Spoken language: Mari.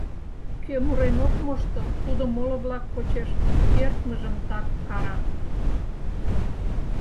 Кӧ мурен ок мошто, тудо моло-влак почеш кертмыжым так кара.